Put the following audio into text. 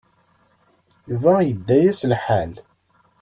Yuba yedda-as lḥal.